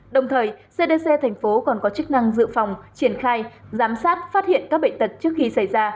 đồng thời cdc thành phố còn có chức năng dự phòng triển khai giám sát phát hiện các bệnh tật trước khi xảy ra